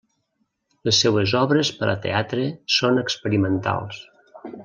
Les seues obres per a teatre són experimentals.